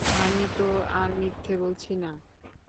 আমি তো আর মিথ্যে বলছি না।